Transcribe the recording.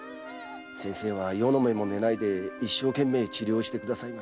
先生は夜の目も寝ないで一生懸命治療してくださいました。